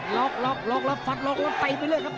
ล็อกล็อกล็อกล็อกฟัดล็อกล็อกตีไปเรื่อยครับ